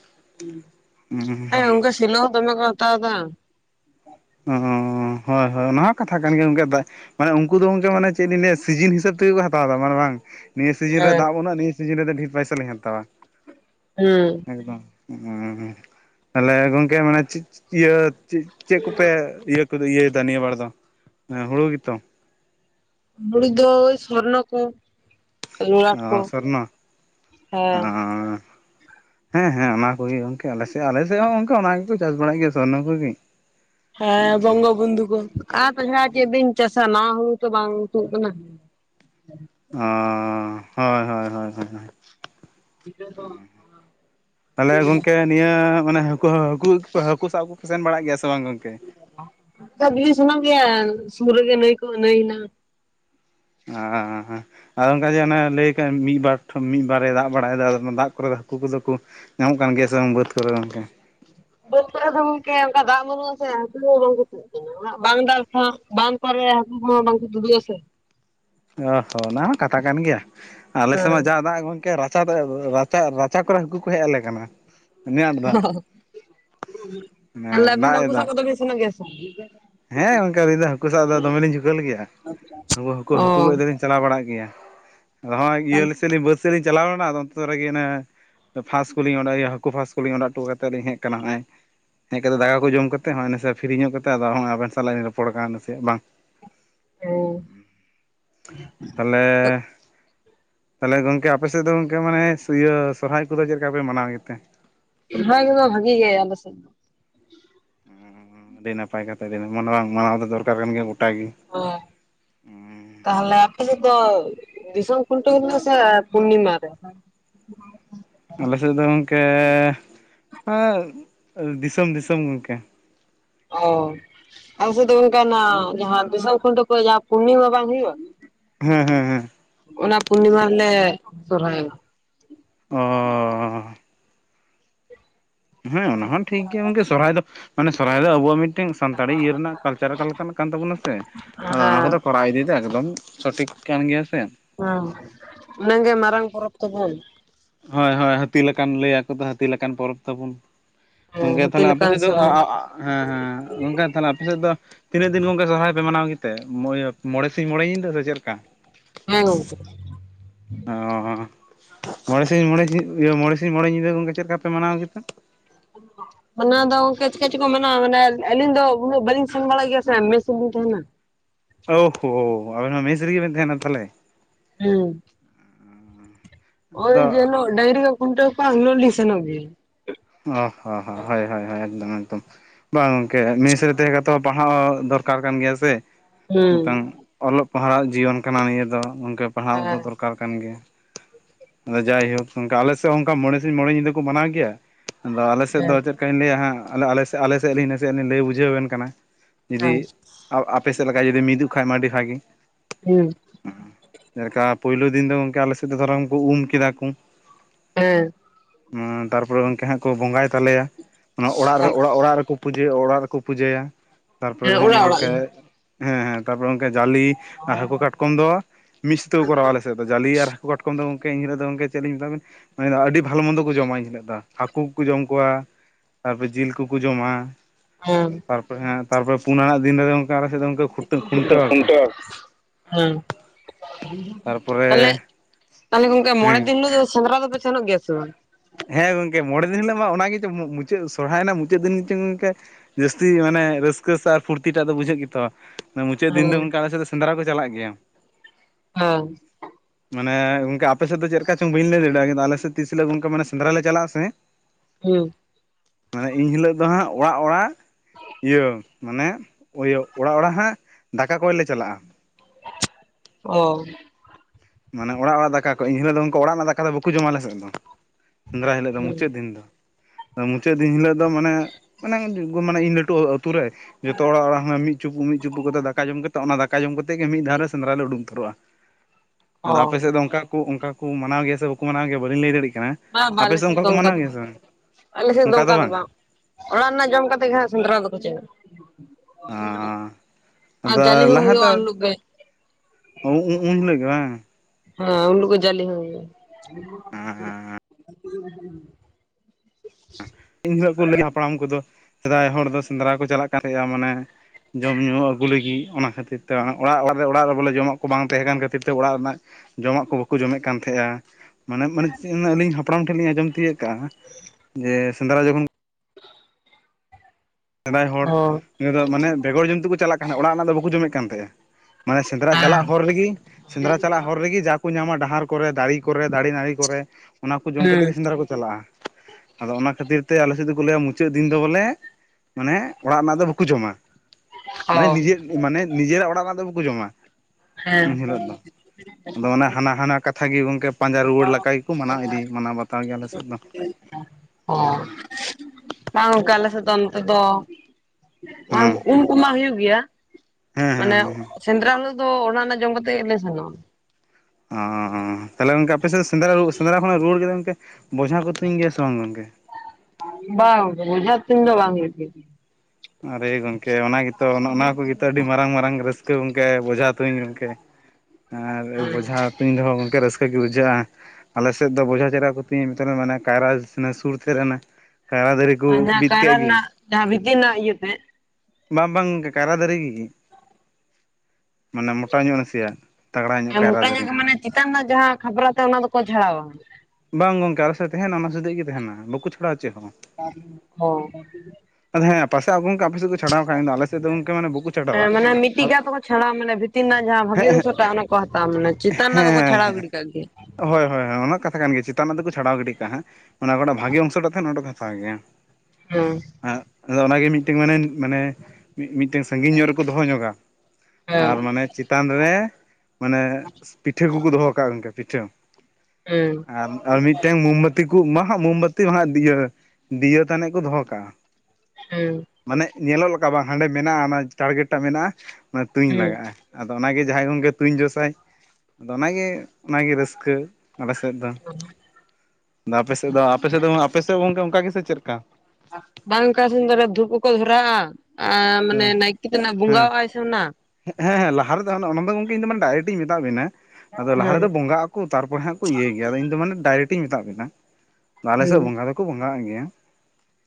[SPEAKER 1] ᱦᱮᱸ ᱜᱚᱝᱠᱮ ᱥᱤᱞᱟᱹᱣ ᱦᱚᱸ ᱫᱚᱢᱮ ᱠᱚ ᱦᱟᱛᱟᱣ ᱫᱟ᱾
[SPEAKER 2] ᱚ ᱦᱳᱭ ᱦᱳᱭ ᱚᱱᱟ ᱦᱚᱸ ᱠᱟᱛᱷᱟ ᱠᱟᱱ ᱜᱮᱭᱟ ᱜᱚᱝᱠᱮ ᱫᱟ ᱢᱟᱱᱮ ᱩᱝᱠᱩ ᱫᱚ ᱜᱚᱝᱠᱮ ᱢᱟᱱᱮ ᱪᱮᱫᱱᱤᱭᱟᱹ ᱥᱤᱡᱤᱱ ᱦᱤᱥᱟᱹᱵ ᱛᱮᱜᱮ ᱠᱚ ᱦᱟᱛᱟᱣᱫᱟ᱾ ᱢᱟᱱᱮ ᱵᱟᱝ? ᱱᱤᱭᱟᱹ ᱥᱤᱡᱤᱱ ᱨᱮ
[SPEAKER 1] ᱦᱮᱸ
[SPEAKER 2] ᱫᱟᱜ ᱵᱟᱹᱱᱩᱜᱼᱟ ᱱᱤᱭᱟᱹ ᱥᱤᱡᱤᱱ ᱨᱮᱫᱚ ᱰᱷᱮᱨ ᱯᱚᱭᱥᱟ ᱞᱤᱧ ᱦᱟᱛᱟᱣᱟ᱾
[SPEAKER 1] ᱦᱮᱸ
[SPEAKER 2] ᱛᱟᱦᱞᱮ ᱜᱚᱝᱠᱮ ᱢᱟᱱᱮ ᱪᱮᱫ ᱤᱭᱟᱹ ᱪᱮᱫ ᱪᱮᱫ ᱠᱚ ᱯᱮ ᱤ ᱤᱭᱟᱹ ᱠᱚ ᱤᱭᱟᱹ ᱮᱫᱟ ᱱᱤᱭᱟᱹ ᱵᱟᱲ ᱫᱚ ᱦᱩᱲᱩ ᱜᱮᱛᱚ?
[SPEAKER 1] ᱦᱩᱲᱩ ᱫᱚ ᱥᱚᱨᱱᱚ ᱠᱚ᱾ ᱞᱚᱞᱟᱴ ᱠᱚ
[SPEAKER 2] ᱚ ᱥᱚᱨᱱᱚ ᱚ
[SPEAKER 1] ᱦᱮᱸ
[SPEAKER 2] ᱦᱮᱸ ᱦᱮᱸ ᱚᱱᱟ ᱠᱚᱜᱮ ᱜᱚᱝᱠᱮ ᱟᱞᱮᱥᱮᱫ ᱟᱞᱮᱥᱮᱫ ᱦᱚᱸ ᱠᱮ ᱚᱱᱟ ᱜᱮᱠᱚ ᱪᱟᱥ ᱵᱟᱲᱟᱭ ᱜᱮᱭᱟ ᱥᱚᱨᱱᱚ ᱠᱚᱜᱮ᱾
[SPEAKER 1] ᱦᱮᱸ ᱵᱚᱝᱜᱚ ᱵᱚᱱᱫᱷᱩ ᱠᱚ ᱟᱨ ᱛᱚ ᱡᱟᱸᱦᱟ ᱪᱮᱫ ᱵᱤᱱ ᱪᱟᱥᱟ ᱱᱟᱣᱟ ᱦᱩᱲᱩ ᱛᱚ ᱵᱟᱝ ᱛᱩᱜ ᱠᱟᱱᱟ᱾
[SPEAKER 2] ᱚᱸ ᱦᱳᱭ ᱦᱳᱭ ᱦᱳᱭ ᱦᱳᱭ᱾ ᱛᱟᱦᱞᱮ ᱜᱚᱝᱠᱮ ᱱᱤᱭᱟᱹ ᱢᱟᱱᱮ ᱦᱟᱹᱠᱩ ᱦᱟᱹᱠᱩ ᱦᱟᱹᱠᱩ ᱥᱟᱵ ᱠᱚ ᱥᱮᱱ ᱵᱟᱲᱟᱜ ᱜᱮᱭᱟ ᱥᱮ ᱵᱟᱝ ᱜᱚᱝᱠᱮ?
[SPEAKER 1] ᱛᱟᱹᱜᱞᱤ ᱥᱟᱱᱟ ᱜᱮᱭᱟ ᱥᱩᱨ ᱨᱮᱜᱮ ᱱᱟᱹᱭ ᱠᱚ ᱱᱟᱹᱭ ᱦᱮᱱᱟᱜᱼᱟ ᱾
[SPEAKER 2] ᱟ ᱦᱟ ᱟᱫᱚ ᱚᱱᱠᱟ ᱡᱮ ᱚᱱᱮ ᱞᱟᱹᱭ ᱠᱟᱫ ᱢᱤᱫᱵᱟᱨ ᱴᱷᱯ ᱢᱤᱫ ᱵᱟᱨᱮ ᱫᱟᱜ ᱵᱟᱲᱟᱭᱮᱫᱟ ᱫᱟᱜ ᱠᱚᱨᱮ ᱫᱚ ᱦᱟᱹᱠᱩ ᱠᱚᱫᱚ ᱠᱚ ᱧᱟᱢᱚᱜ ᱠᱟᱱ ᱜᱮᱭᱟ ᱥᱮ ᱵᱟᱝ ᱵᱟᱹᱫᱽ ᱠᱚᱨᱮ ᱜᱚᱝᱠᱮ
[SPEAKER 1] ᱵᱟᱹᱫᱽ ᱠᱚᱨᱮ ᱫᱚ ᱜᱚᱢᱠᱮ ᱚᱱᱠᱟ ᱫᱟᱜ ᱵᱟᱱᱩᱜᱼᱟ ᱥᱮ ᱦᱟᱹᱠᱩ ᱦᱚᱸ ᱵᱟᱝ ᱵᱟᱝ ᱫᱟᱜ ᱞᱮᱠᱦᱟᱱ ᱵᱟᱝ ᱠᱚᱨᱮ ᱦᱟᱹᱠᱩ ᱠᱚᱦᱚᱸ ᱵᱟᱝᱠᱩ ᱛᱩᱫᱩᱜᱼᱟ ᱥᱮ᱾
[SPEAKER 2] ᱚ ᱦᱚᱸ ᱚᱱᱟ ᱦᱚᱸ ᱠᱟᱛᱷᱟ ᱠᱟᱱ ᱜᱮᱭᱟ ᱟᱞᱮ ᱥᱮᱫ
[SPEAKER 1] ᱦᱮᱸ
[SPEAKER 2] ᱢᱟ ᱡᱟ ᱫᱟᱜ ᱮᱫᱟᱭ ᱜᱚᱠᱮᱜᱼᱟ ᱨᱟ ᱨᱟ ᱨᱟᱪᱟ ᱨᱟᱪᱟ ᱠᱚᱨᱮ ᱦᱟᱹᱠᱩ ᱠᱚ ᱦᱮᱡ ᱟᱞᱮ ᱠᱟᱱᱟ᱾ ᱩᱱᱤ ᱟᱸᱴ ᱫᱟᱜ
[SPEAKER 1] [unintelligible] ᱛᱟᱦᱮᱞᱮ
[SPEAKER 2] ᱢᱟᱱᱮ
[SPEAKER 1] ᱟᱹᱵᱤᱱ ᱫᱚ
[SPEAKER 2] ᱫᱟᱜ
[SPEAKER 1] ᱦᱟ. ᱠᱩ
[SPEAKER 2] ᱮᱫᱟ
[SPEAKER 1] ᱥᱟᱵ ᱠᱚᱫᱚ ᱵᱤᱱ ᱥᱮ ᱥᱮᱱᱚᱜ ᱜᱮᱭᱟ ᱥᱮ ᱵᱟᱝ?
[SPEAKER 2] ᱦᱮᱸ ᱚᱱᱠᱟ ᱫᱚ ᱦᱟᱹᱠᱩ ᱥᱟᱵ ᱫᱚᱢ ᱞᱤᱧ ᱡᱷᱩᱠᱟᱹᱞ ᱜᱮᱭᱟ ᱦᱠᱩ
[SPEAKER 1] ᱚ
[SPEAKER 2] ᱦᱟᱹᱠᱩ ᱜᱚᱡ ᱫᱚᱞᱤᱧ ᱪᱟᱞᱟᱣ ᱵᱟᱲᱟᱜ ᱜᱮᱭᱟ᱾ ᱟᱫᱚ ᱦᱚᱸᱜᱚᱭ ᱤᱭᱟᱹ ᱥᱮᱫ ᱞᱤᱧ ᱵᱟᱹᱫ ᱥᱮᱫ ᱞᱤᱧ ᱪᱟᱞᱟᱣ ᱞᱮᱱᱟ ᱟᱫᱚ ᱚᱱᱛᱮ ᱨᱮᱜᱮ ᱚᱱᱮ ᱯᱷᱟᱥᱠᱩ ᱞᱤᱧ ᱚᱰᱟᱣ ᱮᱜᱟ ᱦᱟᱹᱠᱩ ᱯᱷᱟᱥ ᱠᱚᱞᱤᱧ ᱚᱰᱟᱣ ᱦᱚᱴᱚ ᱠᱟᱮᱫ ᱞᱤᱧ ᱦᱮᱡ ᱟᱠᱟᱱᱟ ᱦᱟᱸᱜᱟᱭ᱾ ᱦᱮᱡ ᱠᱟᱛᱮᱜ ᱫᱟᱠᱟ ᱠᱚ ᱡᱚᱢ ᱠᱟᱛᱮᱜ ᱦᱚᱸᱜᱼᱭ ᱱᱟᱥᱮ ᱯᱷᱤᱨᱤᱧᱚᱜ ᱠᱟᱛᱮ ᱟᱫᱚ ᱟᱵᱮᱱ ᱥᱟᱞᱟᱜ ᱞᱧ ᱨᱚᱯᱚᱲ ᱠᱟᱱᱟ ᱱᱟᱥᱮᱭᱟᱜ ᱵᱟᱝ ᱛᱟᱦᱚᱞᱮ ᱛᱟᱦᱚᱞᱮ ᱜᱚᱝᱠᱮ ᱟᱯᱮ ᱥᱮᱫ ᱫᱚ ᱜᱚᱝᱠᱮ ᱢᱟᱱᱮ ᱤᱭᱟᱹ ᱥᱚᱨᱦᱟᱭ ᱠᱚᱫᱚ ᱪᱮᱫ ᱞᱮᱠᱟ ᱯᱮ ᱢᱟᱱᱟᱣ ᱜᱮᱛᱮ?
[SPEAKER 1] ᱵᱷᱟᱹᱜᱤ ᱫᱚ ᱵᱷᱟᱹᱜᱤ ᱜᱮ ᱟᱞᱮ ᱥᱮᱫ ᱫᱚ᱾
[SPEAKER 2] ᱟᱹᱰᱤ ᱱᱟᱯᱟᱭ ᱠᱟᱛᱷᱟ ᱢᱟᱱᱟᱣ ᱢᱟᱱᱟᱣ ᱫᱚ ᱫᱚᱨᱠᱟᱨ ᱠᱟᱱ ᱜᱮᱭᱟ ᱜᱚᱴᱟ ᱜᱮ
[SPEAKER 1] ᱚ ᱛᱟᱦᱚᱞᱮ ᱟᱯᱮ ᱥᱮᱫ ᱫᱚ ᱫᱤᱥᱚᱢ ᱠᱷᱩᱱᱴᱣᱱᱟ ᱥᱮ ᱯᱩᱨᱱᱤᱢᱟ ᱨᱮ?
[SPEAKER 2] ᱟᱞᱮ ᱥᱮᱫ ᱫᱚ ᱜᱚᱝᱠᱮ ᱦᱮ ᱫᱤᱥᱚᱢ ᱫᱤᱥᱚᱢ ᱜᱚᱝᱠᱮ
[SPEAKER 1] ᱚ ᱟᱞᱮ ᱥᱮᱫ ᱫᱚ ᱜᱚᱢᱠᱮ ᱚᱱᱟ ᱡᱟᱸᱦᱟ ᱫᱤᱥᱚᱢ ᱠᱷᱩᱱᱴᱟᱣ ᱠᱚ ᱡᱟ ᱯᱩᱨᱱᱤᱢᱟ ᱵᱟᱝ ᱦᱩᱭᱩᱜᱼᱟ
[SPEAKER 2] ᱦᱮᱸ ᱦᱮᱸ ᱦᱮᱸ
[SPEAKER 1] ᱚᱱᱟ ᱯᱩᱨᱱᱤᱢᱟ ᱨᱮᱞᱮ ᱥᱚᱨᱚᱦᱟᱭᱚᱜᱼᱟ᱾
[SPEAKER 2] ᱚ ᱦᱮᱸ ᱚᱱᱟ ᱦᱚᱸ ᱴᱷᱤᱠ ᱜᱮᱭᱟ ᱜᱚᱝᱠᱮ ᱥᱚᱨᱦᱟᱭ ᱫᱚ᱾ ᱢᱟᱱᱮ ᱥᱚᱨᱦᱟᱭ ᱫᱚ ᱟᱵᱚᱣᱟᱜ ᱢᱤᱫᱴᱮᱱ ᱥᱟᱱᱛᱟᱲᱤ ᱤᱭᱟᱹ ᱨᱮᱱᱟᱜ ᱠᱟᱞᱪᱟᱨ ᱞᱮᱠᱟᱱᱟᱜ ᱠᱟᱱ ᱛᱟᱵᱚᱱᱟ ᱥᱮ᱾ ᱟᱫᱚ ᱚᱱᱟ
[SPEAKER 1] ᱦᱮᱸ
[SPEAKER 2] ᱠᱚᱫᱚ ᱠᱚᱨᱟᱣ ᱤᱫᱤ ᱫᱚ ᱮᱠᱫᱚᱢ ᱥᱚᱴᱷᱤᱠ ᱠᱟᱱ ᱜᱮᱭᱟ ᱥᱮ
[SPEAKER 1] ᱦᱮᱸ ᱚᱱᱟ ᱜᱮ ᱢᱟᱨᱟᱝ ᱯᱚᱨᱚᱵᱽ ᱛᱟᱵᱚᱱ᱾
[SPEAKER 2] ᱦᱳᱭ ᱦᱳᱭ ᱦᱟᱹᱛᱤ ᱞᱮᱠᱟᱱ ᱞᱟᱹᱭᱟᱠᱚ ᱦᱟᱹᱛᱤ ᱞᱮᱠᱟᱱ ᱯᱚᱨᱚᱵᱽ ᱛᱟᱵᱚᱱ᱾ ᱜᱚᱝᱠᱮ
[SPEAKER 1] ᱦᱟᱹᱛᱤ
[SPEAKER 2] ᱛᱟᱦᱚᱞᱮ ᱟᱯᱮ
[SPEAKER 1] ᱞᱮᱠᱟᱱ
[SPEAKER 2] ᱥᱮᱫ ᱫᱚ
[SPEAKER 1] ᱥᱚᱨᱦᱟᱭ
[SPEAKER 2] ᱦᱮᱸ ᱦᱮᱸ ᱜᱚᱝᱠᱮ ᱛᱟᱦᱚᱞᱮ ᱟᱯᱮ ᱥᱮᱫ ᱫᱚ ᱛᱤᱱᱟᱹᱜ ᱫᱤᱱ ᱜᱚᱝᱠᱮ ᱥᱚᱨᱦᱟᱭ ᱯᱮ ᱢᱟᱱᱟᱣ ᱠᱮᱫ ᱛᱮ, ᱢᱚᱬᱮ ᱥᱤᱧ ᱢᱚᱬᱮ ᱧᱤᱫᱟᱹ ᱥᱮ ᱪᱮᱫ ᱞᱮᱠᱟ
[SPEAKER 1] ᱦᱮᱸ ᱜᱚᱢᱠᱮ᱾
[SPEAKER 2] [unintelligible] ᱢᱚᱬᱮ ᱥᱤᱧ, ᱥᱤᱧ ᱢᱚᱬᱮ ᱧᱤᱫᱟᱹ ᱜᱚᱝᱠᱮ ᱪᱮᱫ ᱞᱮᱠᱟ ᱯᱮ ᱢᱟᱱᱟᱣ ᱠᱮᱫᱛᱮ᱾
[SPEAKER 1] [unintelligible] ᱚᱱᱟ ᱫᱚ ᱜᱚᱝᱠᱮ ᱪᱮᱫ ᱞᱮᱠᱟ‌ ᱪᱚᱠᱚ ᱢᱟᱱᱟᱣ, ᱢᱟᱱᱮ ᱟᱹᱞᱤᱧ ᱫᱚ ᱩᱱᱟᱹᱜ ᱵᱟᱹᱞᱤᱧ ᱥᱮᱱ ᱵᱟᱲᱟᱭ ᱜᱮᱭᱟ ᱥᱮ ᱢᱮᱥ ᱨᱮᱞᱤᱧ ᱛᱟᱦᱮᱱᱟ᱾
[SPEAKER 2] ᱚ ᱦᱚᱸ᱾ ᱟᱵᱮᱱ ᱦᱚᱸ ᱢᱮᱥ ᱨᱮᱜᱮ ᱵᱮᱱ ᱛᱟᱦᱮᱱᱟ ᱛᱟᱦᱚᱞᱮ
[SPEAKER 1] ᱦᱮᱸ
[SPEAKER 2] [unintelligible]
[SPEAKER 1] ᱳᱭ ᱡᱮ ᱦᱤᱞᱳᱜ ᱰᱟᱝᱨᱤ ᱠᱚ ᱠᱷᱩᱱᱴᱟᱹᱣ ᱠᱚᱣᱟ ᱮᱱ ᱦᱤᱞᱳᱜ ᱞᱤᱧ ᱥᱮᱱᱚᱜ ᱜᱮᱭᱟ᱾
[SPEAKER 2] ᱚ ᱦᱚᱸ ᱦᱚᱸ ᱦᱳᱭ ᱦᱳᱭ ᱮᱠᱫᱚᱢ ᱮᱠᱫᱚᱢ ᱵᱟᱝ ᱜᱚᱝᱠᱮ ᱢᱮᱥ ᱨᱮ ᱛᱟᱦᱮᱸ ᱠᱟᱛᱮᱫ ᱦᱚᱸ ᱯᱟᱲᱦᱟᱣ ᱫᱚᱨᱠᱟᱨ ᱠᱟᱱ ᱜᱮᱭᱟ ᱥᱮ
[SPEAKER 1] ᱦᱮᱸ
[SPEAKER 2] ᱢᱤᱫᱴᱟᱝ ᱚᱞᱚᱜ ᱯᱟᱲᱦᱟᱣᱟᱜ ᱡᱤᱭᱚᱱ ᱠᱟᱱᱟ᱾ ᱱᱤᱭᱟᱹ ᱫᱚ ᱜᱚᱝᱠᱮ ᱯᱟᱲᱦᱟᱣ ᱫᱚ
[SPEAKER 1] ᱦᱮᱸ
[SPEAKER 2] ᱫᱚᱨᱠᱟᱨ ᱠᱟᱱ ᱜᱮᱭᱟ᱾ᱟᱫᱚ ᱡᱟᱭᱦᱳᱠ ᱟᱞᱮ ᱥᱮᱫ ᱦᱚᱸ ᱚᱱᱠᱟ ᱢᱚᱬᱮ ᱥᱤᱧ ᱢᱚᱬᱮ ᱧᱤᱫᱟᱹ ᱠᱚ ᱢᱟᱱᱟᱣ ᱜᱮᱭᱟ ᱟᱫᱚ ᱟᱞᱮ ᱥᱮᱫ ᱫᱚ ᱪᱮᱫ ᱞᱮᱠᱟᱧ ᱞᱟᱹᱭᱟ ᱦᱟᱸᱜ ᱟᱞᱮ ᱥᱮᱫ ᱞᱤᱧ ᱱᱟᱥᱮᱭᱟᱜ ᱞᱤᱧ ᱞᱟᱹᱭ ᱵᱩᱡᱷᱟᱹᱣ ᱟᱵᱮᱱ ᱠᱟᱱᱟ
[SPEAKER 1] ᱦᱮᱸ
[SPEAKER 2] ᱡᱩᱫᱤ
[SPEAKER 1] ᱦᱮᱸ
[SPEAKER 2] ᱟ-ᱟᱯᱮ ᱥᱮᱫ ᱞᱮᱠᱟ ᱡᱩᱫᱤ ᱢᱤᱫᱚᱜ ᱠᱷᱟᱡ ᱢᱟ ᱟᱹᱰᱤ ᱵᱷᱟᱹᱜᱤ᱾
[SPEAKER 1] ᱦᱩᱸ
[SPEAKER 2] ᱪᱮᱫ ᱞᱮᱠᱟ ᱯᱳᱭᱞᱳ ᱫᱤᱱ ᱫᱚ ᱜᱚᱝᱠᱮ ᱟᱞᱮ ᱥᱮᱫ ᱫᱚ ᱫᱷᱚᱨᱚ ᱩᱢ ᱠᱮᱫᱟ ᱠᱚ
[SPEAKER 1] ᱦᱮᱸ
[SPEAKER 2] ᱱᱚᱣᱟ ᱛᱟᱨᱯᱚᱨᱮ ᱜᱚᱝᱠᱮ ᱦᱟᱸᱜ ᱠᱚ ᱵᱚᱸᱜᱟᱭ ᱛᱟᱞᱮᱭᱟ ᱾ᱚᱱᱟ ᱚᱲᱟᱜ ᱨᱮ
[SPEAKER 1] ᱦᱮᱸ
[SPEAKER 2] ᱚᱲᱟᱜ ᱚᱲᱟᱜ ᱨᱮᱠᱚ ᱯᱩᱡᱟᱹᱭᱟ ᱚᱲᱟᱜ ᱨᱮᱠᱚ ᱯᱩᱡᱟᱹᱭᱟ, ᱛᱟᱨᱯᱚᱨᱮ ᱫᱚ
[SPEAKER 1] ᱦᱮᱸ
[SPEAKER 2] ᱦᱩᱭᱩᱜ ᱜᱮᱭᱟ
[SPEAKER 1] ᱚᱲᱟᱜ ᱚᱲᱟᱜ
[SPEAKER 2] ᱜᱚᱢᱠᱮ
[SPEAKER 1] ᱜᱮ
[SPEAKER 2] ᱦᱮᱸ ᱦᱮᱸ ᱛᱟᱨᱯᱚᱨᱮ ᱜᱚᱝᱠᱮ ᱡᱟᱞᱤ ᱟᱨ ᱦᱟᱹᱠᱩ ᱠᱟᱴᱠᱚᱢ ᱫᱚ ᱢᱤᱥ ᱛᱮᱠᱚ ᱠᱚᱨᱟᱣᱟ ᱟᱞᱮ ᱥᱮᱫ ᱫᱚ ᱡᱟᱞᱤ ᱟᱨ ᱠᱟᱴᱠᱚᱢ ᱫᱚ ᱮᱱ ᱦᱤᱞᱳᱜ ᱫᱚ ᱜᱚᱝᱠᱮ ᱪᱮᱫ ᱞᱤᱧ ᱢᱮᱛᱟ ᱵᱮᱱ, ᱢᱮᱱᱫᱚ ᱟᱹᱰᱤ ᱵᱷᱟᱞᱚ ᱢᱚᱱᱫᱚ ᱠᱚ ᱡᱚᱢᱟ ᱮᱱ-ᱦᱤᱞᱳᱜ ᱫᱚ ᱦᱟᱹᱠᱩ ᱠᱚᱠᱚ ᱡᱚᱢ ᱠᱚᱣᱟ ᱛᱟᱨᱯᱚᱨᱮ ᱡᱤᱞ ᱠᱚᱠᱚ ᱡᱚᱢᱟ᱾
[SPEAKER 1] ᱦᱩᱸ
[SPEAKER 2] ᱛᱟᱨᱯᱚᱨ ᱦᱮᱸ ᱛᱟᱨᱯᱚᱨ ᱯᱩᱱ ᱟᱱᱟᱜ ᱫᱤᱱ ᱨᱮ ᱟᱞᱮ ᱥᱮᱫ ᱫᱚ ᱜᱚᱝᱠᱮ
[SPEAKER 1] [unintelligible] ᱠᱷᱩᱱᱴᱟᱹᱣ, ᱦᱩᱸ ᱛᱟᱞᱮ,
[SPEAKER 2] ᱛᱟᱨᱯᱚᱨᱮ
[SPEAKER 1] ᱛᱟᱦᱚᱞᱮ ᱜᱚᱝᱠᱮ ᱢᱚᱬᱮ
[SPEAKER 2] ᱦᱮᱸ
[SPEAKER 1] ᱫᱤᱱ ᱦᱤᱞᱳᱜ ᱫᱚ ᱥᱮᱸᱫᱽᱨᱟ ᱫᱚᱯᱮ ᱥᱮᱱᱚᱜ ᱜᱮᱭᱟ ᱥᱮ ᱵᱟᱝ?
[SPEAKER 2] ᱦᱮᱸ ᱜᱚᱝᱠᱮ ᱢᱚᱬᱮ ᱫᱤᱱ ᱦᱤᱞᱳᱜ ᱢᱟ ᱚᱱᱟ ᱜᱮᱪᱚ ᱢᱩᱪᱟᱹᱫᱽ ᱥᱚᱨᱦᱟᱭᱱᱟᱜ ᱢᱩᱪᱟᱹᱫᱽ ᱫᱤᱱ ᱜᱮᱪᱚᱝ ᱜᱚᱝᱠᱮ ᱡᱟᱹᱥᱛᱤ ᱢᱟᱱᱮ ᱨᱟᱹᱥᱠᱟᱹ ᱥᱮ ᱟᱨ ᱯᱷᱩᱨᱛᱤᱴᱟᱜ ᱫᱚ ᱵᱩᱡᱷᱟᱹᱜ ᱜᱮᱛᱚ ᱢᱩᱪᱟᱹᱫᱽ ᱫᱤᱱ ᱫᱚ
[SPEAKER 1] ᱦᱮᱸ
[SPEAKER 2] ᱜᱚᱝᱠᱮ ᱟᱞᱮ ᱥᱮᱫ ᱫᱚ ᱥᱮᱸᱫᱽᱨᱟ ᱠᱚ ᱪᱟᱞᱟᱜ ᱜᱮᱭᱟ ᱾
[SPEAKER 1] ᱦᱩᱸ ᱾
[SPEAKER 2] ᱢᱟᱱᱮ ᱜᱚᱝᱠᱮ ᱟᱯᱮ ᱥᱮᱫ ᱫᱚ ᱪᱮᱫ ᱞᱮᱠᱟ ᱪᱚᱝ ᱵᱟᱹᱧ ᱞᱟᱹᱭ ᱫᱟᱲᱮᱭᱟᱜᱼᱟ, ᱠᱤᱱᱛᱩ ᱟᱞᱮ ᱥᱮᱫ ᱛᱤᱥ ᱞᱮ ᱜᱚᱝᱠᱮ ᱢᱟᱱᱮ ᱥᱮᱸᱫᱽᱨᱟ ᱞᱮ ᱪᱟᱞᱟᱜᱼᱟ ᱥᱮ, ᱦᱮᱸ ᱾
[SPEAKER 1] ᱦᱩᱸ ᱾
[SPEAKER 2] ᱢᱟᱱᱮ ᱮᱱ ᱦᱤᱞᱳᱜ ᱫᱚ ᱦᱟᱸᱜ ᱚᱲᱟᱜ ᱚᱲᱟᱜ ᱤᱭᱟᱹ ᱢᱟᱱᱮ ᱤᱭᱟᱹ ᱚᱲᱟᱜ ᱚᱲᱟᱜ ᱦᱟᱸᱜ ᱫᱟᱠᱟ ᱠᱚᱭᱞᱮ ᱪᱟᱞᱟᱜᱼᱟ ᱾
[SPEAKER 1] ᱚ ᱾
[SPEAKER 2] ᱢᱟᱱᱮ ᱚᱲᱟᱜ ᱚᱲᱟᱜ ᱫᱟᱠᱟ ᱠᱚᱭ ᱮᱱ ᱦᱤᱞᱳᱜ ᱫᱚ ᱩᱝᱠᱩ ᱚᱲᱟᱜ ᱨᱮᱱᱟᱜ ᱫᱟᱠᱟ ᱫᱚ ᱵᱟᱠᱚ ᱡᱚᱢᱟ ᱟᱞᱮ ᱥᱮᱫ ᱫᱚ ᱾ ᱥᱮᱸᱫᱽᱨᱟ ᱦᱤᱞᱳᱜ ᱫᱚ
[SPEAKER 1] ᱦᱮᱸ
[SPEAKER 2] ᱢᱩᱪᱟᱹᱫᱽ ᱫᱤᱱ ᱫᱚ ᱾ ᱢᱩᱪᱟᱹᱫᱽ ᱫᱤᱱ ᱦᱤᱞᱳᱜ ᱫᱚ ᱢᱟᱱᱮ ᱢᱟᱱᱮ ᱤᱱ ᱞᱟᱹᱴᱩ ᱟᱹᱛᱩ ᱟᱹᱛᱩ ᱨᱮ ᱡᱚᱛᱚ ᱦᱚᱲᱟᱜ ᱚᱲᱟᱜ ᱨᱮ ᱢᱤᱫ ᱪᱩᱯᱩᱜ ᱢᱤᱫ ᱪᱩᱯᱩᱜ ᱠᱟᱛᱮ ᱫᱟᱠᱟ ᱡᱚᱢ ᱠᱟᱛᱮ ᱚᱱᱟ ᱫᱟᱠᱟ ᱫᱟᱠᱟ ᱡᱚᱢ ᱠᱟᱛᱮᱫ ᱜᱮ ᱢᱤᱫ ᱫᱷᱟᱣ ᱨᱮ ᱥᱮᱸᱫᱽᱨᱟᱞᱮ ᱩᱰᱩᱠ ᱩᱛᱟᱹᱨᱚᱜᱼᱟ ᱾ ᱟᱫᱚ
[SPEAKER 1] ᱚ
[SPEAKER 2] ᱟᱯᱮ ᱥᱮᱫ ᱫᱚ ᱚᱱᱠᱟ ᱚᱱᱠᱟ ᱠᱚ ᱢᱟᱱᱟᱣ ᱜᱮᱭᱟ ᱥᱮ ᱵᱟᱠᱚ ᱢᱟᱱᱟᱣ ᱜᱮᱭᱟ ᱵᱟᱹᱞᱤᱧ ᱞᱟᱹᱭ ᱫᱟᱲᱮᱭᱟᱜ ᱠᱟᱱᱟ ᱾
[SPEAKER 1] ᱵᱟᱝ ᱵᱟ ᱟᱞᱮ ᱥᱮᱫ ᱫᱚ ᱚᱝᱠᱟ ᱫᱚ ᱵᱟᱝ ᱟᱞᱮ ᱥᱮᱫ ᱫᱚ ᱚᱝᱠᱟ ᱫᱚ ᱵᱟᱝ ᱚᱲᱟᱜ ᱨᱮᱱᱟᱜ ᱡᱚᱢ ᱠᱟᱛᱮᱫ ᱜᱮ ᱦᱟᱸᱜ ᱥᱮᱸᱫᱽᱨᱟ ᱫᱚᱠᱚ ᱪᱟᱞᱟᱜ-ᱟ ᱾
[SPEAKER 2] ᱚ
[SPEAKER 1] ᱟᱨ
[SPEAKER 2] ᱟᱫᱚ
[SPEAKER 1] ᱡᱟᱞᱤ ᱦᱚᱸ ᱦᱳᱭᱳᱜ-ᱟ ᱩᱱ ᱦᱤᱞᱳᱜ ᱜᱮ ᱾
[SPEAKER 2] ᱚ ᱩ-ᱩᱱ ᱦᱤᱞᱳᱜ ᱜᱮ ᱵᱟᱝ?
[SPEAKER 1] ᱦᱮᱸ ᱩᱱ ᱦᱤᱞᱳᱜ ᱜᱮ ᱡᱟᱞᱤ ᱦᱚᱸ ᱦᱩᱭᱩᱜ-ᱟ ᱾
[SPEAKER 2] ᱮᱱ ᱦᱤᱞᱳᱜ ᱠᱚ ᱞᱟᱹᱭᱟ ᱦᱟᱯᱲᱟᱢ ᱠᱚᱫᱚ ᱥᱮᱫᱟᱭ ᱦᱚᱲ ᱫᱚ ᱥᱮᱸᱫᱽᱨᱟ ᱠᱚ ᱪᱟᱞᱟᱜ ᱛᱟᱞᱮᱭᱟ ᱢᱟᱱᱮ ᱡᱚᱢᱼᱧᱩ ᱟᱹᱜᱩ ᱞᱟᱹᱜᱤᱫ ᱚᱱᱟ ᱠᱷᱟᱹᱛᱤᱨ ᱛᱮ ᱵᱟᱝ ᱚᱲᱟᱜ ᱚᱲᱟᱜ ᱨᱮ ᱚᱲᱟᱜ ᱨᱮ ᱵᱚᱞᱮ ᱡᱚᱢᱟᱜ ᱠᱚ ᱵᱟᱝ ᱛᱟᱦᱮᱸ ᱠᱟᱱ ᱠᱷᱟᱹᱛᱤᱨ ᱛᱮ ᱚᱲᱟᱜ ᱨᱮᱱᱟᱜ ᱡᱚᱢᱟᱜ ᱠᱚ ᱵᱟᱠᱚ ᱡᱚᱢᱮᱫ ᱠᱟᱱ ᱛᱟᱦᱮᱸᱜᱼᱟ ᱢᱟᱱᱮ ᱟᱹᱞᱤᱧ ᱦᱟᱯᱲᱟᱢ ᱴᱷᱮᱱ ᱞᱤᱧ ᱟᱸᱡᱚᱢ ᱛᱤᱭᱟᱹᱜ ᱠᱟᱜ-ᱟ, ᱡᱮ ᱥᱮᱸᱫᱽᱨᱟ ᱡᱚᱠᱷᱚᱱ ᱥᱮᱫᱟᱭ ᱦᱚᱲ
[SPEAKER 1] ᱚ
[SPEAKER 2] ᱢᱟᱱᱮ ᱵᱮᱜᱚᱨ ᱡᱚᱢ ᱛᱮᱠᱚ ᱪᱟᱞᱟᱜ ᱠᱟᱱᱟ ᱚᱲᱟᱜ ᱨᱮᱱᱟᱜ ᱫᱚ ᱵᱟᱠᱩ ᱡᱚᱢᱮᱫ ᱠᱟᱱ ᱛᱟᱦᱮᱜᱼᱟ ᱾ ᱱᱚᱜᱼᱚᱭ ᱥᱮᱸᱫᱽᱨᱟ
[SPEAKER 1] ᱦᱮᱸ
[SPEAKER 2] ᱪᱟᱞᱟᱜ ᱦᱚᱨ ᱨᱮᱜᱤ ᱥᱮᱸᱫᱽᱨᱟ ᱪᱟᱞᱟᱜ ᱦᱚᱨ ᱨᱮᱜᱤ ᱡᱟᱠ ᱾ ᱠᱩ ᱧᱟᱢᱟ ᱰᱟᱦᱟᱨ ᱠᱚᱨᱮ ᱫᱟᱨᱤ ᱠᱚᱨᱮ ᱫᱟᱨᱮ ᱱᱟᱹᱲᱤ ᱠᱚᱨᱮ ᱚᱱᱟ ᱠᱚ ᱡᱚᱢ
[SPEAKER 1] ᱦᱩᱸ
[SPEAKER 2] ᱠᱟᱛᱮᱫ ᱜᱮ ᱥᱮᱸᱫᱽᱨᱟ ᱠᱩ ᱪᱟᱞᱟᱜᱼᱟ ᱾ ᱟᱫᱚ ᱚᱱᱟ ᱠᱷᱟᱹᱛᱤᱨ ᱛᱮ ᱟᱞᱮ ᱥᱮᱫ ᱫᱚᱠᱚ ᱞᱟᱹᱭᱟ ᱢᱩᱪᱟᱹᱫᱽ ᱫᱤᱱ ᱫᱚ ᱵᱚᱞᱮ ᱾ ᱢᱟᱱᱮ ᱚᱲᱟᱜ ᱨᱮᱱᱟᱜ ᱫᱚ ᱵᱟᱠᱩ ᱡᱚᱢᱟ ᱢᱟᱱᱮ
[SPEAKER 1] ᱚ
[SPEAKER 2] ᱱᱤᱡᱮᱨ ᱾ ᱢᱟᱱᱮ ᱱᱤᱡᱮᱨᱟᱜ ᱚᱲᱟᱜ ᱨᱮᱱᱟᱜ ᱫᱚ ᱵᱟᱠᱩ ᱡᱚᱢᱟ
[SPEAKER 1] ᱦᱮᱸ
[SPEAKER 2] ᱮᱱᱦᱤᱞᱳᱜ ᱫᱚ ᱾ ᱫᱚ ᱦᱟᱱᱟ ᱦᱟᱱᱟ ᱠᱟᱛᱷᱟ ᱜᱮ ᱜᱚᱝ ᱠᱮ ᱯᱟᱸᱡᱟ ᱨᱩᱣᱟᱹᱲ ᱞᱟᱠᱟ ᱜᱮᱠᱚ ᱢᱟᱱᱟᱣ ᱤᱫᱤ ᱢᱟᱱᱟᱣ ᱵᱟᱛᱟᱣ ᱜᱮᱭᱟ ᱟᱞᱮ ᱥᱮᱫ ᱫᱚ
[SPEAKER 1] ᱚ ᱵᱟᱝ ᱚᱱᱠᱟ ᱟᱞᱮᱥᱮᱫ ᱫᱚ ᱱᱚᱛᱮ ᱫᱚ
[SPEAKER 2] ᱦᱮᱸ
[SPEAKER 1] ᱩᱞ ᱠᱩᱢᱟ ᱦᱩᱭᱩᱜ ᱜᱮᱭᱟ ᱾
[SPEAKER 2] ᱦᱮᱸ
[SPEAKER 1] ᱢᱟᱱᱮ
[SPEAKER 2] ᱦᱮᱸ ᱦᱮᱸ
[SPEAKER 1] ᱥᱮᱸᱫᱽᱨᱟ ᱦᱤᱞᱳᱜ ᱫᱚ ᱚᱲᱟᱜ ᱨᱮᱱᱟᱜ ᱡᱚᱢ ᱠᱟᱛᱮᱜ ᱜᱮᱞᱮ ᱥᱮᱱᱚᱜᱼᱟ ᱾
[SPEAKER 2] ᱚᱻᱛᱟᱦᱞᱮ ᱜᱚᱢᱠᱮ ᱟᱯᱮ ᱥᱮᱫ ᱥᱮᱸᱫᱽᱨᱟ ᱥᱮᱸᱫᱽᱨᱟ ᱠᱷᱚᱱᱟᱜ ᱨᱩᱣᱟᱹᱲ ᱠᱟᱛᱮᱜ ᱜᱚᱝᱠᱮ ᱵᱚᱡᱷᱟ ᱠᱚ ᱛᱩᱧ ᱜᱮᱭᱟ ᱥᱮ ᱵᱟᱝ ᱜᱚᱝᱠᱮ?
[SPEAKER 1] ᱵᱟᱝ ᱜᱚᱝᱠᱮ ᱵᱚᱡᱷᱟ ᱛᱩᱧ ᱫᱚ ᱵᱟᱝ ᱦᱩᱭᱩᱜ ᱜᱮᱭᱟ ᱾
[SPEAKER 2] ᱟᱨᱮ ᱜᱚᱝᱠᱮ ᱚᱱᱟ ᱜᱮᱛᱚ ᱚᱱᱮ ᱚᱱᱟ ᱠᱚᱜᱮ ᱛᱚ ᱟᱹᱰᱤ ᱢᱟᱨᱟᱝ ᱢᱟᱨᱟᱝ ᱨᱟᱹᱥ ᱜᱚᱝᱠᱮ ᱵᱚᱡᱷᱟ ᱛᱩᱧ ᱜᱚᱝᱠᱮ ᱟᱨ ᱵᱚᱡᱷᱟ ᱾ ᱤᱧ ᱫᱚ ᱦᱟᱸᱜ ᱜᱚᱝᱠᱮ ᱨᱟᱹᱥᱠᱟᱹ ᱜᱮ ᱵᱩᱡᱷᱟᱹᱜᱼᱟ ᱾ ᱟᱞᱮᱥᱮᱫ ᱫᱚ ᱵᱚᱡᱷᱟ ᱪᱮᱠᱟ ᱠᱚ ᱛᱩᱧᱟ ᱮᱱᱛᱮ ᱨᱮᱦᱚᱸ ᱢᱟᱱᱮ ᱠᱟᱭᱨᱟ ᱥᱩᱨ ᱥᱮᱫ ᱨᱮᱱᱟᱜ ᱠᱟᱭᱨᱟ ᱫᱟᱨᱤ ᱾ ᱠᱚ
[SPEAKER 1] ᱡᱟᱦᱟᱸ
[SPEAKER 2] ᱵᱤᱛ ᱠᱮᱫ
[SPEAKER 1] ᱠᱟᱭᱨᱟ
[SPEAKER 2] ᱜᱮ ᱾
[SPEAKER 1] ᱨᱮᱱᱟᱜ ᱡᱟᱦᱟᱸ ᱵᱷᱤᱛᱤᱨ ᱱᱟᱜ ᱤᱭᱟᱹᱛᱮᱜ ᱾
[SPEAKER 2] ᱵᱟᱝ ᱵᱟᱝ ᱜᱚᱝᱠᱮ ᱠᱟᱭᱨᱟ ᱫᱟᱨᱤ ᱜᱮ ᱢᱟᱱᱮ ᱢᱚᱴᱟ ᱧᱚᱜ ᱱᱟᱥᱮᱭᱟᱜ ᱾
[SPEAKER 1] ᱢᱚᱴᱟ ᱧᱚᱜ ᱡᱟᱜᱟ ᱢᱟᱱᱮ ᱪᱮᱛᱟᱱ ᱨᱮᱱᱟᱜ ᱡᱟᱦᱟᱸ ᱠᱷᱟᱯᱨᱟ ᱛᱮᱫ ᱚᱱᱟ ᱫᱚᱠᱚ ᱪᱷᱟᱲᱟᱣᱼᱟ ᱾
[SPEAKER 2] ᱵᱟᱝ ᱜᱚᱝᱠᱮ ᱟᱞᱮᱥᱮᱫ ᱛᱟᱦᱮᱱᱟ ᱚᱱᱟ ᱥᱛᱮᱫ ᱜᱮ ᱛᱟᱦᱮᱱᱟ ᱵᱟᱠᱩ ᱪᱷᱟᱲᱟᱼᱟ ᱪᱮᱫ ᱦᱚᱸ
[SPEAKER 1] ᱚ
[SPEAKER 2] ᱛᱟᱞᱦᱮ ᱯᱟᱥᱮᱜ ᱜᱚᱢᱠᱮ ᱟᱯᱮ ᱥᱮᱫ ᱠᱚ ᱪᱷᱟᱰᱟᱣ ᱠᱟᱜ ᱟᱞᱮ ᱥᱮᱫ ᱫᱚ ᱢᱟᱱᱮ ᱜᱚᱝᱠᱮ ᱵᱟᱩᱠ ᱾
[SPEAKER 1] ᱢᱟᱱᱮ ᱢᱤᱫᱴᱤᱪ ᱜᱟᱜ ᱫᱚᱠᱚ ᱪᱷᱟᱲᱟᱣᱼᱟ ᱢᱟᱱᱮ ᱵᱷᱤᱛᱤᱨ ᱨᱮᱱᱟᱜ ᱡᱟᱦᱟ ᱵᱷᱟᱜᱮ ᱚᱝᱥᱚᱴᱟᱜ ᱚᱱᱟ ᱠᱚ ᱦᱟᱛᱟᱣᱼᱟ ᱢᱟᱱᱮ ᱾
[SPEAKER 2] ᱦᱮ ᱦᱳᱭ ᱦᱳᱭ ᱚᱱᱟ ᱠᱟᱛᱷᱟ ᱠᱟᱱ ᱜᱮᱭᱟ ᱪᱮᱛᱟᱱ ᱨᱮᱱᱟᱜ ᱫᱚᱠᱚ ᱪᱷᱟᱲᱟᱣ ᱜᱤᱰᱤ ᱠᱟᱜᱼᱟ ᱾ ᱚᱱᱟ ᱚᱠᱟᱴᱟᱜ ᱵᱷᱟᱹᱜᱤ ᱚᱝᱥᱚ ᱴᱟᱜ ᱛᱟᱦᱮᱱᱟ ᱚᱱᱟ ᱠᱚ ᱦᱟᱛᱟᱣ ᱜᱮᱭᱟ ᱾
[SPEAKER 1] ᱦᱮᱸ᱾
[SPEAKER 2] ᱟᱸᱜ ᱟᱫᱚ ᱚᱱᱟᱜᱮ ᱢᱤᱫᱴᱮᱱ ᱢᱟᱱᱮ ᱢᱟᱱᱮ ᱢᱤᱫᱼ ᱢᱤᱫ ᱾ ᱢᱤᱫᱴᱮᱱ ᱥᱟᱺᱜᱤᱧ ᱧᱚᱜ ᱨᱮᱠᱚ ᱫᱚᱦᱚ ᱧᱚᱜᱼᱟ
[SPEAKER 1] ᱦᱮᱸ
[SPEAKER 2] ᱟᱨ ᱢᱟᱱᱮ ᱪᱮᱛᱟᱱ ᱨᱮ ᱢᱟᱱᱮ ᱾ ᱯᱤᱴᱷᱟᱹ ᱠᱩᱠᱩ ᱫᱚᱦᱚ ᱠᱟᱜᱼᱟ ᱜᱚᱝᱠᱮ ᱯᱤᱴᱷᱟᱹ
[SPEAKER 1] ᱦᱮᱸ
[SPEAKER 2] ᱟᱨ ᱟᱨ ᱢᱤᱫᱴᱮᱱ ᱢᱳᱢᱵᱟᱛᱤ ᱾ ᱛᱤᱠᱩ ᱢᱟᱦᱟᱜ ᱢᱳᱢᱵᱟᱛᱤ ᱦᱟᱜ ᱫᱤᱭᱟᱹ ᱫᱤᱭᱟᱹ ᱛᱟᱱᱤᱭ ᱠᱚ ᱫᱚᱦᱚ ᱠᱟᱜᱼᱟ ᱾
[SPEAKER 1] ᱦᱩᱸ
[SPEAKER 2] ᱢᱟᱱᱮ ᱧᱮᱞᱚᱜ ᱞᱮᱠᱟ ᱵᱟᱝ ᱦᱟᱱᱰᱮ ᱢᱮᱱᱟᱜᱼᱟ ᱚᱱᱟ ᱴᱟᱨᱜᱮᱴ ᱴᱟᱜ ᱢᱮᱱᱟᱜᱼᱟ ᱚᱱᱟ ᱛᱩᱧ
[SPEAKER 1] ᱦᱮᱸ
[SPEAKER 2] ᱞᱟᱜᱟᱜᱼᱟ ᱾ ᱟᱫᱚ ᱚᱱᱟᱜᱮ ᱡᱟᱦᱟᱭ ᱜᱚᱝᱠᱮ ᱛᱩᱧ ᱡᱚᱥᱟᱭ ᱾ ᱟᱫᱚ ᱚᱱᱟᱜᱮ ᱚᱱᱟᱜᱮ ᱨᱟᱹᱥᱠᱟᱹ ᱾ ᱟᱞᱮ ᱥᱮᱫ ᱫᱚ ᱟᱫᱚ ᱟᱯᱮ ᱥᱮᱫ ᱫᱚ ᱟᱯᱮ ᱥᱮᱫ ᱫᱚ ᱟᱯᱮᱥᱮᱫ ᱜᱚᱝᱠᱮ ᱚᱱᱠᱟ ᱜᱮᱥᱮ ᱪᱮᱫ ᱞᱮᱠᱟ ᱾
[SPEAKER 1] ᱵᱟᱝᱚᱱᱠᱟ ᱥᱮ ᱫᱷᱩᱯ ᱠᱚᱠᱚ ᱫᱷᱚᱨᱟᱣ ᱟᱜᱼᱟᱭ ᱟᱨ ᱢᱟᱱᱮ
[SPEAKER 2] ᱦᱮᱸ
[SPEAKER 1] ᱱᱟᱭᱠᱮ ᱛᱟᱱᱟᱜ
[SPEAKER 2] ᱦᱮᱸ
[SPEAKER 1] ᱵᱚᱝᱜᱟᱣᱟᱜᱼᱟᱭ ᱥᱮ ᱚᱱᱟ ᱾
[SPEAKER 2] ᱦᱮᱸ ᱦᱮᱸ ᱞᱟᱦᱟᱨᱮ ᱛᱟᱸᱦᱮᱱᱟ ᱚᱱᱟ ᱫᱚ ᱜᱚᱝᱠᱮ ᱤᱧ ᱫᱚ ᱢᱟᱱᱮ ᱰᱟᱭᱨᱮᱠᱴ ᱤᱧ ᱢᱮᱛᱟᱜ ᱵᱤᱱᱟ ᱾ ᱟᱫᱚ ᱞᱟᱦᱟ ᱨᱮᱫᱚ
[SPEAKER 1] ᱦᱮᱸ
[SPEAKER 2] ᱵᱚᱝᱜᱟᱜ ᱟᱠᱩ ᱛᱟᱨᱯᱚᱨᱮ ᱦᱟᱜ ᱠᱚ ᱤᱭᱟᱹᱭ ᱜᱮᱭᱟ ᱟᱫᱚ ᱤᱧ ᱫᱚ ᱢᱟᱱᱮ ᱰᱟᱭᱨᱮᱠᱴ ᱤᱧ ᱢᱮᱛᱟᱫ ᱵᱤᱱᱟ ᱾ ᱟᱞᱮ ᱥᱮᱫ ᱵᱚᱝᱜᱟ ᱫᱚᱠᱩ ᱵᱚᱝᱜᱟᱜ ᱜᱮᱭᱟ ᱾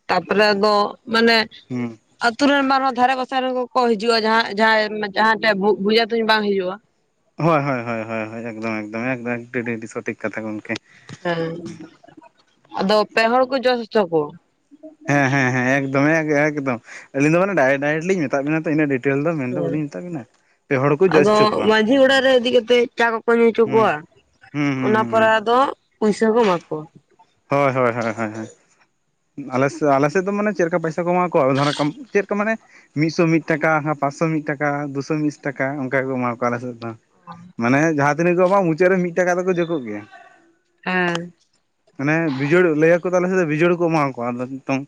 [SPEAKER 1] ᱛᱟᱨᱯᱚᱨᱮ ᱟᱫᱚ ᱢᱟᱱᱮ ᱾ ᱟᱛᱩ ᱨᱮᱱ ᱵᱟᱝ ᱨᱮᱸᱦᱚ ᱚᱱᱟ ᱫᱷᱟᱨᱮ ᱯᱟᱥᱮ ᱨᱮᱱ ᱠᱚᱠᱚ ᱦᱤᱡᱩᱜᱼᱟ ᱡᱟᱸᱦᱟ ᱡᱟᱸᱦᱟ ᱡᱟᱸᱦᱟᱴᱷᱮᱜ ᱵᱩᱡᱟ ᱛᱩᱧ ᱵᱟᱝ ᱦᱩᱭᱩᱜᱼᱟ ᱾
[SPEAKER 2] ᱦᱳᱭ ᱦᱳᱭ ᱦᱳᱭ ᱦᱳᱭ ᱮᱠᱫᱚᱢ ᱮᱠᱫᱚᱢ ᱟᱹᱰᱤ ᱥᱚᱴᱷᱤᱠ ᱠᱟᱛᱷᱟ ᱜᱚᱝᱠᱮ ᱾
[SPEAKER 1] [unintelligible] ᱦᱮᱸ ᱟᱫᱚ ᱯᱮ ᱦᱚᱲ ᱠᱚ ᱡᱚᱥ ᱪᱚ ᱠᱚᱣᱟ ᱾
[SPEAKER 2] ᱦᱮᱸ ᱦᱮᱸ ᱦᱮᱸ ᱮᱠᱫᱚᱢ ᱮᱠᱫᱚᱢ ᱟᱞᱤᱧ ᱫᱚ ᱢᱟᱱᱮ ᱰᱟᱭᱨᱮᱴᱠ ᱰᱟᱭᱨᱮᱠᱴ ᱞᱤᱧ ᱢᱮᱛᱟᱜ ᱵᱮᱱᱟ ᱛᱚ ᱤᱱᱟᱹᱜ ᱾ ᱴᱮᱞ ᱫᱚ ᱢᱮᱱᱫᱚ
[SPEAKER 1] ᱠᱚᱣᱟ ᱦᱮᱸ
[SPEAKER 2] ᱵᱟᱹᱞᱤᱧ ᱢᱮᱛᱟᱜ ᱵᱤᱱᱟ ᱯᱮ ᱦᱚᱲ ᱠᱚ ᱡᱚᱥ ᱦᱚᱪᱚᱠᱚᱣᱟ ᱾
[SPEAKER 1] ᱡᱷᱤᱭ ᱚᱲᱟᱜ ᱨᱮ ᱤᱫᱤ ᱠᱟᱛᱮᱜ ᱾ ᱪᱟ ᱠᱚᱠᱚ ᱧᱩ ᱪᱚ ᱠᱚᱣᱟ
[SPEAKER 2] ᱦᱩᱸ ᱦᱩᱸ
[SPEAKER 1] ᱚᱱᱟ ᱯᱚᱨᱮ
[SPEAKER 2] ᱦᱩᱸ
[SPEAKER 1] ᱟᱫᱚ ᱯᱩᱭᱥᱟᱹ ᱠᱚ ᱮᱢᱟ ᱠᱚᱣᱟ ᱾
[SPEAKER 2] ᱦᱳᱭ ᱦᱳᱭ ᱦᱳᱭ ᱦᱳᱭ ᱦᱳᱭ ᱾ ᱟᱞᱮ ᱥᱮ ᱟᱞᱮ ᱥᱮᱫ ᱫᱚ ᱢᱟᱱᱮ ᱪᱮᱫ ᱞᱮᱠᱟ ᱯᱚᱭᱥᱟ ᱠᱚ ᱮᱢᱟ ᱟᱠᱚᱣᱟ ᱪᱮᱠᱟ ᱢᱟᱱᱮ ᱾ ᱢᱤᱫᱥᱚ ᱢᱤᱫᱴᱟᱠᱟ ᱯᱟᱸᱥᱥᱚ ᱢᱤᱫ ᱴᱟᱠᱟ ᱫᱩᱥᱳ ᱵᱤᱥ ᱴᱟᱠᱟ ᱚᱝᱠᱟ ᱜᱮᱠᱚ ᱮᱢᱟᱣᱟ ᱠᱚᱣᱟ ᱟᱞᱮᱥᱮᱫ ᱫᱚ ᱢᱟᱱᱮ ᱡᱟᱦᱟᱸ ᱛᱤᱱᱟᱹᱜ ᱠᱚ ᱮᱢᱚᱜᱼᱟ ᱢᱩᱪᱟᱹᱫ ᱨᱮ ᱢᱤᱫᱴᱟᱠᱟ ᱫᱚ ᱠᱚ ᱡᱳᱠᱚᱜ ᱜᱮᱭᱟ
[SPEAKER 1] ᱦᱮᱸ
[SPEAKER 2] ᱢᱟᱱᱮ ᱵᱤᱡᱳᱲ ᱞᱟᱹᱭᱟᱠᱚ ᱛᱟᱞᱮ ᱵᱤᱡᱳᱲ ᱠᱚ ᱮᱢᱟᱣᱟ ᱠᱚᱣᱟ ᱟᱫᱚ ᱛᱚᱝ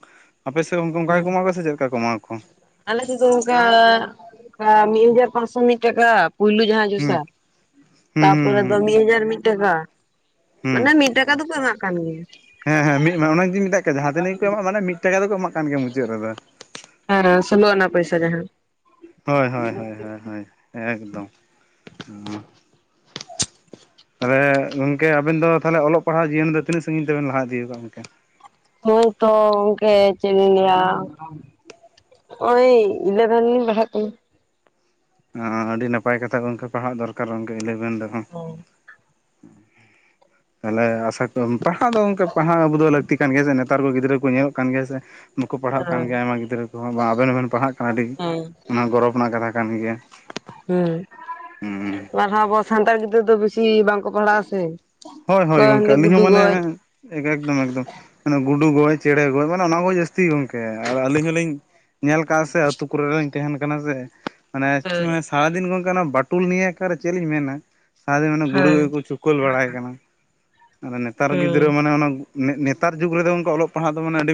[SPEAKER 2] ᱟᱯᱮ ᱥᱮᱫ ᱜᱚᱝᱠᱮ ᱚᱱᱠᱟ ᱜᱮ
[SPEAKER 1] ᱦᱮᱸ
[SPEAKER 2] ᱠᱚ ᱮᱢᱟ ᱠᱚᱣᱟ ᱥᱮ ᱪᱮᱫ ᱞᱮᱠᱟ ᱠᱚ ᱮᱢᱟ ᱠᱚᱣᱟ
[SPEAKER 1] ᱟᱞᱮ ᱥᱮᱫ ᱫᱚ ᱚᱝᱠᱟ ᱢᱤᱫ ᱦᱟᱡᱟᱨ ᱯᱟᱸᱥᱥᱚ ᱢᱤᱫ ᱴᱟᱠᱟ ᱯᱩᱭᱞᱩ ᱡᱟᱦᱟᱸ
[SPEAKER 2] ᱦᱩᱸ
[SPEAKER 1] ᱡᱚᱥᱟ
[SPEAKER 2] ᱦᱩᱸ ᱦᱩᱸ
[SPEAKER 1] ᱛᱟᱯᱚᱨᱮ ᱫᱚ
[SPEAKER 2] ᱦᱩᱸ
[SPEAKER 1] ᱢᱤᱫ ᱦᱟᱡᱟᱨ ᱢᱤᱫ ᱴᱟᱠᱟ
[SPEAKER 2] ᱦᱩᱸ
[SPEAKER 1] ᱢᱟᱱᱮ ᱢᱤᱫᱴᱟᱠᱟ ᱫᱚᱠᱚ ᱮᱢᱟᱜ ᱠᱟᱱ ᱜᱤᱭᱟ
[SPEAKER 2] ᱦᱮᱸ ᱦᱮᱸ ᱢᱤᱫ ᱚᱱᱟᱜᱤᱧ ᱢᱮᱛᱟᱜ ᱠᱟᱱᱟ ᱡᱟᱦᱟᱸ ᱛᱤᱱᱟᱹᱜ ᱜᱮ ᱮᱢᱟᱜ ᱢᱟᱱᱮ ᱢᱤᱫ ᱴᱟᱠᱟ ᱫᱚᱠᱚ ᱮᱢᱟᱜ ᱠᱟᱱ ᱜᱮᱭᱟ ᱢᱩᱪᱟᱹᱫ ᱨᱮᱫᱚ
[SPEAKER 1] ᱦᱮᱸ ᱥᱳᱞᱳ ᱟᱱᱟ ᱯᱚᱭᱥᱟ ᱡᱟᱦᱟᱸ
[SPEAKER 2] ᱦᱳᱭ ᱦᱳᱭ ᱦᱳᱭ ᱦᱳᱭ ᱦᱳᱭ ᱮᱠᱫᱚᱢ ᱾ ᱛᱟᱦᱚᱞᱮ ᱜᱚᱝᱠᱮ ᱟᱵᱮᱱ ᱫᱚ ᱛᱟᱦᱚᱞᱮ ᱚᱞᱚᱜ ᱯᱟᱲᱦᱟᱜ ᱡᱤᱭᱚᱱ ᱫᱚ ᱛᱤᱱᱟᱹᱜ ᱥᱟᱺᱜᱤᱧ ᱛᱮᱵᱮᱱ ᱞᱟᱦᱟ ᱤᱫᱤᱠᱟᱫᱟ ᱜᱚᱝᱠᱮ ᱾
[SPEAKER 1] ᱦᱳᱭ ᱛᱚ ᱜᱚᱝᱠᱮ ᱪᱮᱜ ᱤᱧ ᱞᱟᱹᱭᱟ ᱚᱭ ᱤᱞᱮᱵᱷᱮᱱ ᱨᱤᱧ ᱯᱟᱲᱦᱟᱜ ᱠᱟᱱᱟ
[SPEAKER 2] ᱚ ᱟᱹᱰᱤ ᱱᱟᱯᱟᱭ ᱠᱟᱛᱷᱟ ᱜᱚᱝᱠᱮ ᱯᱟᱲᱦᱟᱜ ᱫᱚᱨᱠᱟᱨ ᱤᱞᱮᱵᱷᱮᱱ ᱨᱮᱦᱚᱸ ᱛᱟᱦᱚᱞᱮ ᱟᱥᱟ ᱠᱚ ᱯᱟᱲᱦᱟᱜ ᱫᱚ ᱜᱚᱝᱠᱮ ᱯᱟᱲᱦᱟᱣ ᱟᱵᱩ ᱫᱚ ᱞᱟᱹᱠᱛᱤ ᱠᱟᱱ ᱜᱮᱭᱟ ᱥᱮ ᱱᱮᱛᱟᱨ ᱠᱚ ᱜᱤᱫᱽᱨᱟᱹ ᱠᱚ ᱧᱮᱞᱚᱜ ᱠᱟᱱ ᱜᱮᱭᱟ ᱥᱮ ᱵᱟᱠᱩ ᱯᱟᱲᱦᱟᱜ ᱠᱟᱱ ᱜᱮᱭᱟ ᱟᱭᱢᱟ ᱜᱤᱫᱽᱨᱟᱹ ᱠᱚᱦᱚᱸ ᱵᱟᱝ ᱟᱵᱮᱱ ᱦᱚᱸᱵᱮᱱ ᱯᱟᱲᱦᱟᱜ ᱠᱟᱱᱟ ᱟᱹᱰᱤ
[SPEAKER 1] ᱦᱮᱸ
[SPEAKER 2] ᱚᱱᱟ ᱜᱚᱨᱚᱵᱽ ᱨᱮᱱᱟᱜ ᱠᱟᱛᱷᱟ ᱠᱟᱱ ᱜᱮᱭᱟ
[SPEAKER 1] ᱦᱩᱸ ᱟᱵᱚ ᱥᱟᱱᱛᱟᱲ ᱜᱤᱫᱽᱨᱟᱹ ᱫᱚ ᱵᱮᱥᱤ ᱵᱟᱝᱠᱚ ᱯᱟᱲᱦᱟᱜ ᱟᱥᱮ
[SPEAKER 2] ᱦᱳᱭ ᱦᱳᱭ ᱜᱚᱝᱠᱮ ᱟᱹᱞᱤᱧ ᱦᱚᱸ ᱢᱟᱱᱮ ᱮᱠᱫᱚᱢ ᱮᱠᱫᱚᱢ ᱜᱩᱰᱩ ᱜᱚᱡ ᱪᱮᱸᱬᱮ ᱜᱚᱡ ᱢᱟᱱᱮ ᱚᱱᱟ ᱠᱚ ᱡᱟᱹᱥᱛᱤ ᱜᱚᱝᱠᱮ ᱟᱨ ᱟᱹᱞᱤᱧ ᱦᱚᱞᱤᱧ ᱧᱮᱞ ᱠᱟᱜᱼᱟ ᱥᱮ ᱟᱹᱛᱩ ᱠᱚᱨᱮ ᱦᱚᱧ ᱛᱟᱦᱮᱱ ᱠᱟᱱᱟ ᱥᱮ ᱢᱟᱱᱮ
[SPEAKER 1] ᱦᱮᱸ
[SPEAKER 2] ᱮᱸᱜ ᱮᱸ ᱥᱟᱨᱟᱫᱤᱱ ᱜᱚᱝᱠᱮ ᱚᱱᱟ ᱵᱟᱴᱩᱞ ᱱᱤᱭᱟᱹ ᱟᱠᱟᱨᱮ ᱪᱮᱜ ᱞᱤᱧ ᱢᱮᱱᱟ ᱥᱟᱨᱟᱫᱤᱱ ᱢᱟᱱᱮ ᱜᱩᱰᱩ
[SPEAKER 1] ᱦᱮᱸ
[SPEAKER 2] ᱜᱮᱠᱚ ᱛᱩ ᱠᱳᱞ ᱵᱟᱲᱟᱭ ᱠᱟᱱᱟ ᱟᱫᱚ ᱱᱮᱛᱟᱨ
[SPEAKER 1] ᱦᱮᱸ
[SPEAKER 2] ᱜᱤᱫᱽᱨᱟᱹ ᱢᱟᱱᱮ ᱚᱱᱮ ᱱᱮᱛᱟᱨ ᱡᱩᱜᱽ ᱨᱮᱫᱚ ᱚᱝᱠᱮ ᱚᱞᱚᱜ ᱯᱟᱲᱦᱟᱜ ᱫᱚ ᱢᱟᱱᱮ ᱟᱹᱰᱤ